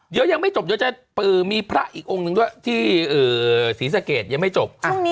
เดี๋ยวยังไม่จบมีพระอีกองค์หนึ่งด้วยที่เอ่อศรีสะเกตยังไม่จบ